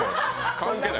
関係ない。